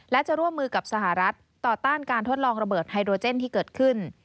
และจะร่วมมือกับสหรัฐต่อต้านการทดลองระเบิดไฮโดรเจนที่เกิดขึ้น